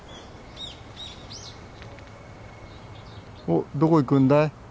おっどこ行くんだい？